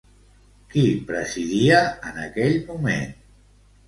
Qui presidia en aquell moment?